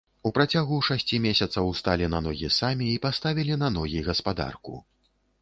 У працягу шасці месяцаў сталі на ногі самі і паставілі на ногі гаспадарку.